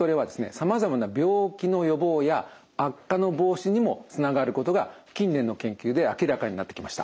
さまざまな病気の予防や悪化の防止にもつながることが近年の研究で明らかになってきました。